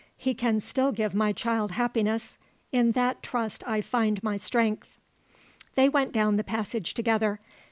He can still give my child happiness. In that trust I find my strength." They went down the passage together.